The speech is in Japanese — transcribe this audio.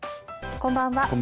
こんばんは。